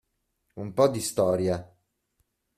Un po' di storia.